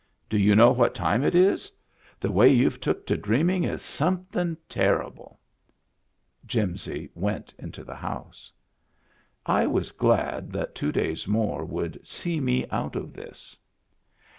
Do you know what time it is ? The way you've took to dreaming is something terrible !" Jimsy went into the house, I was glad that two days more would see me out of this.